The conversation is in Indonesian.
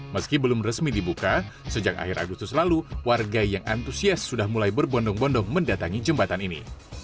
meski belum resmi dibuka sejak akhir agustus lalu warga yang antusias sudah mulai berbondong bondong mendatangi jembatan ini